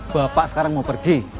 bapak sekarang mau pergi